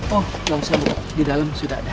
oh gak usah bu di dalam sudah ada